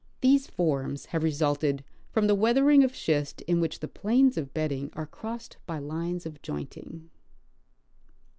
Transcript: These forms have resulted from the weathering of schist in which the planes of bedding are crossed by lines of jointing.